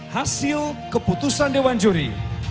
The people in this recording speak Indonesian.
hasil keputusan dewan juri